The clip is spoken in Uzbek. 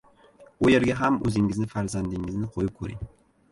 U yerga ham oʻzingizni farzandingizni qoʻyib koʻring.